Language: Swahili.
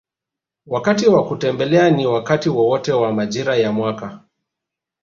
Wakati wa kutembelea ni wakati wowote wa majira ya mwaka